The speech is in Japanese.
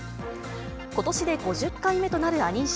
ことしで５０回目となるアニー賞。